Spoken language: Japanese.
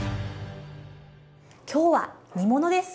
今日は煮物です。